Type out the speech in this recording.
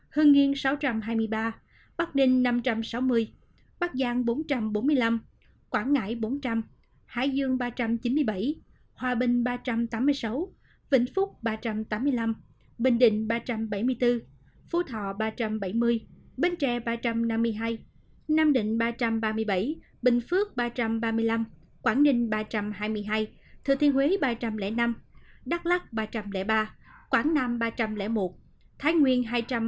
hương nhiên sáu trăm hai mươi ba bắc đinh năm trăm sáu mươi bắc giang bốn trăm bốn mươi năm quảng ngãi bốn trăm linh hải dương ba trăm chín mươi bảy hòa bình ba trăm tám mươi sáu vĩnh phúc ba trăm tám mươi năm bình định ba trăm bảy mươi bốn phú thọ ba trăm bảy mươi bến tre ba trăm năm mươi hai nam định ba trăm ba mươi bảy bình phước ba trăm ba mươi năm quảng ninh ba trăm hai mươi hai thừa thiên huế ba trăm linh năm đắk lắc ba trăm linh ba quảng nam ba trăm linh một thái nguyên hai trăm linh hai